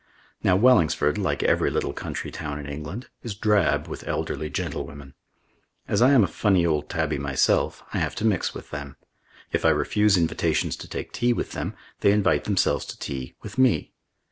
Now Wellingsford, like every little country town in England, is drab with elderly gentlewomen. As I am a funny old tabby myself, I have to mix with them. If I refuse invitations to take tea with them, they invite themselves to tea with me.